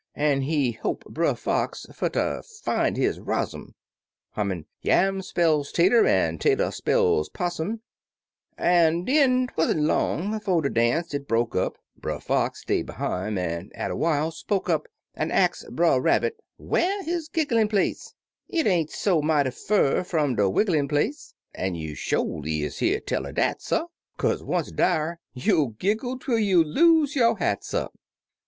An' he holp Brer Fox fer ter fin' his rozzum, Hummin', "Yam spells tater, an' tater spells pos sum," An' den 'twan't long 'fo' de dance, it broke up; Brer Fox stay behime, an', atter while, spoke up. An' ax Brer Rabbit whar his gigglin' place — "It ain't so mighty fur fum de wigglin' place, An' you sholy is hear tell er dat, suh, Kaze, once dar, you'll giggle twel you lose yo' hat, suh.